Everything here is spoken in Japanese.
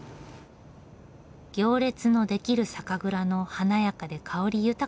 行列のできる酒蔵の華やかで香り豊かな生酒。